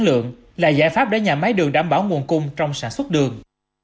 lượng là giải pháp để nhà máy đường đảm bảo nguồn cung trong sản xuất đường